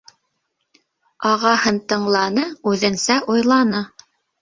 Ағаһын тыңланы - үҙенсә уйланы.